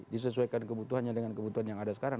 disesuaikan kebutuhannya dengan kebutuhan yang ada sekarang